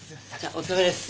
お疲れさまです！